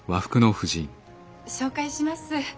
紹介します。